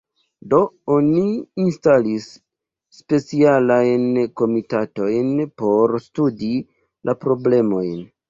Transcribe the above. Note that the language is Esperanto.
Do oni instalis specialajn komitatojn por studi la problemojn.